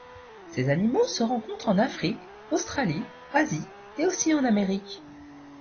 Ces animaux se rencontrent en Afrique, Australie, Asie et aussi en Amérique.